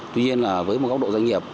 tuy nhiên là với một góc độ doanh nghiệp